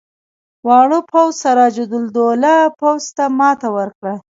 واړه پوځ سراج الدوله پوځ ته ماته ورکړه.